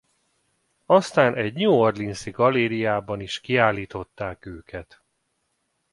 Aztán egy New Orleans-i galériáiban is kiállították őket.